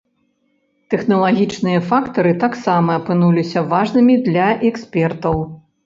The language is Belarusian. Тэхналагічныя фактары таксама апынуліся важнымі для экспертаў.